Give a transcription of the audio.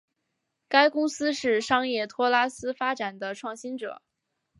该公司是商业托拉斯发展的创新者。